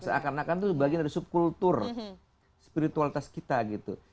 seakan akan itu bagian dari subkultur spiritualitas kita gitu